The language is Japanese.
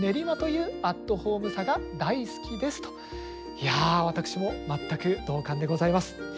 いや私も全く同感でございます。